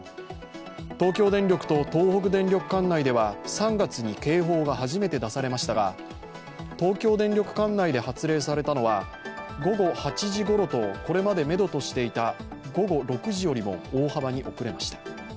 東京電力と東北電力管内では３月に警報が初めて出されましたが東京電力管内で発令されたのは、午後８時ごろとこれまでめどとしていた午後６時よりも大幅に遅れました。